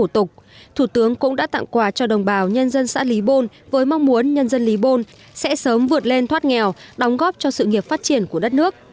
thủ tướng cũng đã tặng quà cho đồng bào nhân dân xã lý bôn với mong muốn nhân dân lý bôn sẽ sớm vượt lên thoát nghèo đóng góp cho sự nghiệp phát triển của đất nước